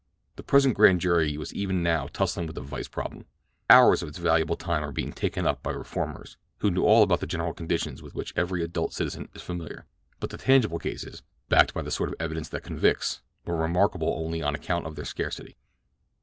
The present Grand Jury was even now tussling with the vice problem. Hours of its valuable time were being taken up by reformers who knew all about the general conditions with which every adult citizen is familiar; but the tangible cases, backed by the sort of evidence that convicts, were remarkable only on account of there scarcity.